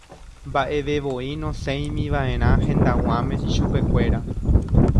mba'evevoi nosẽimiva'erã hendag̃uáme ichupekuéra.